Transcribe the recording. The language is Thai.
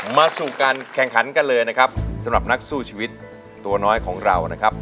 มาสู่การแข่งขันกันเลยนะครับสำหรับนักสู้ชีวิตตัวน้อยของเรานะครับ